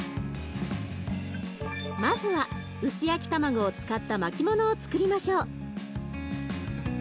まずは薄焼き卵を使った巻きものをつくりましょう。